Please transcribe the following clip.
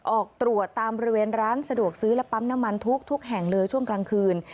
ออกตรวจตามบริเวณร้านสะดวกซื้อและปั๊มน้ำมันทุกแห่งเลยช่วงกลางคืน